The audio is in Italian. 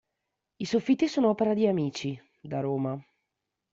I soffitti sono opera di Amici, da Roma.